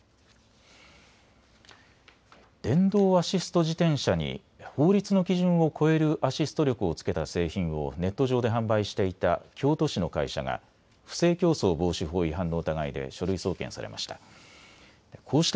電動アシスト自転車に法律の基準を超えるアシスト力をつけた製品をネット上で販売していた京都市の会社が不正競争防止法違反の疑いで書類送検されました。